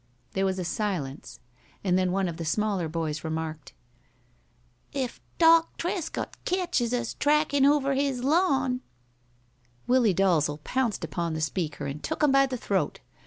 There was a silence, and then one of the smaller boys remarked, "If Doc Trescott ketches us trackin' over his lawn " Willie Dalzel pounced upon the speaker and took him by the throat.